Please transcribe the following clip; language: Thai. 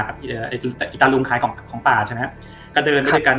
กับอีตารุงขายของป่าใช่ไหมก็เดินด้วยกัน